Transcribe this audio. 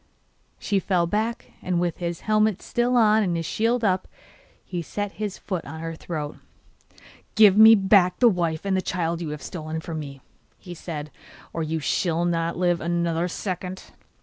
She fell back, and with his helmet still on and his shield up, he set his foot on her throat. 'Give me back the wife and the child you have stolen from me,' he said, 'or you shall not live another second!